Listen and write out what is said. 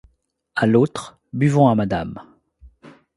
à l’aultre: « Buvons à Madame!